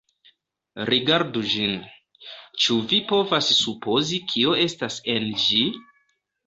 Rigardu ĝin; ĉu vi povas supozi kio estas en ĝi?